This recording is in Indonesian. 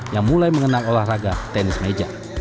yang mulai mengenang olahraga tenis meja